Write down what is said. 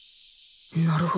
なるほど。